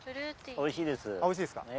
おいしいです。